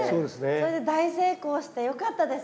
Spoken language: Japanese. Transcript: それで大成功してよかったですね。